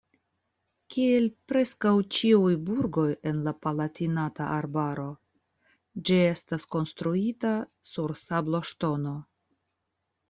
Kiel preskaŭ ĉiuj burgoj en la Palatinata Arbaro ĝi estas konstruita sur sabloŝtono.